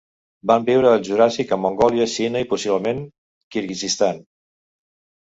Van viure al Juràssic a Mongòlia, Xina, i possiblement Kirguizistan.